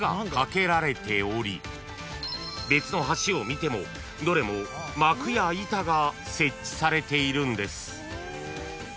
［別の橋を見てもどれも幕や板が設置されているんです］